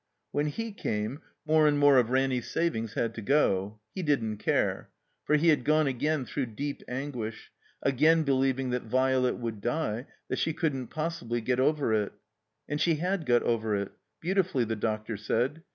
When he came more and more of Ranny's savings had to go. He didn't care. For he had gone again through deep anguish, again believing that Violet would die, that she couldn't jxjssibly get over it. And she had got over it ; beautifully, tie doctor said.